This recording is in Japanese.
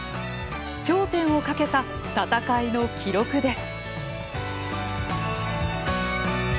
頂点をかけた、戦いの記録です。